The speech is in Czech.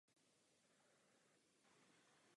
Rád bych také poblahopřál panu komisaři.